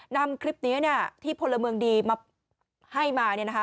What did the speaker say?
นำคลิปนี้ที่พลเมืองดีมาให้มา